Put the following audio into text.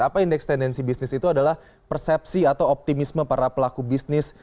apa indeks tendensi bisnis itu adalah persepsi atau optimisme para pelaku bisnis